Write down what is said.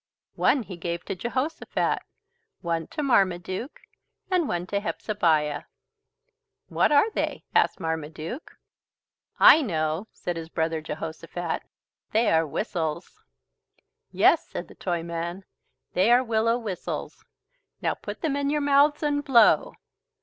One he gave to Jehosophat, one to Marmaduke, and one to Hepzebiah. "What are they?" asked Marmaduke. "I know," said his brother Jehosophat, "they are whistles." "Yes," said the Toyman. "They are willow whistles. Now put them in your mouths and blow."